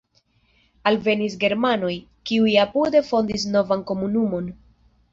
Alvenis germanoj, kiuj apude fondis novan komunumon.